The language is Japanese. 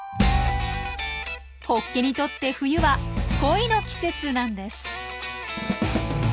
ホッケにとって冬は恋の季節なんです。